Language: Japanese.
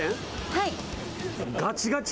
はい。